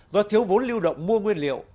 do thiếu vốn lưu động mua nguyên liệu